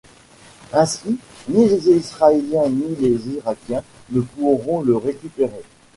Ainsi, ni les Israéliens ni les Irakiens ne pourront le récupérer.